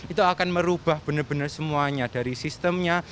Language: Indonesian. itu akan merubah benar benar semuanya dari sistemnya